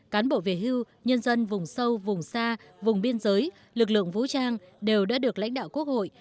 cán bộ về hưu nhân dân vùng sâu vùng xa vùng biên giới lực lượng vũ trang đều đã được lãnh đạo quốc hội